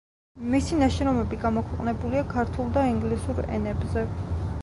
მისი ნაშრომები გამოქვეყნებულია ქართულ და ინგლისურ ენებზე.